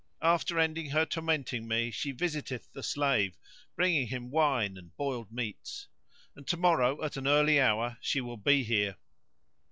After ending her tormenting me she visiteth the slave, bringing him wine and boiled meats. And to morrow at an early hour she will be here."